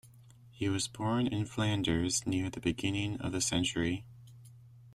He was born in Flanders near the beginning of the century.